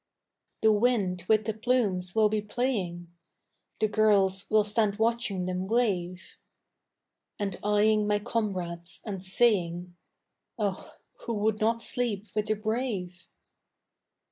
The wind with the plumes will be playing, The girls will stand watching them wave, And eyeing my comrades and saying Oh who would not sleep with the brave?